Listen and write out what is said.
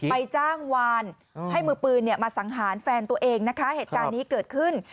จ้างวานให้มือปืนมาสังหารแฟนตัวเองนะคะเหตุการณ์นี้เกิดขึ้น